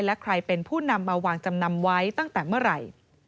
และใครเป็นผู้นำมาวางจำนำไว้ตั้งแต่เมื่อไหร่